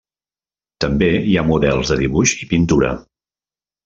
També hi ha models de dibuix i pintura.